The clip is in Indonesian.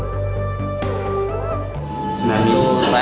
pengetahuan tentang mitigasi bencana tsunami